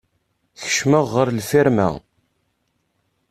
Keccmeɣ ɣer lfirma.